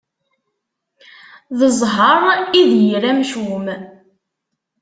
D zheṛ i d yir amcum.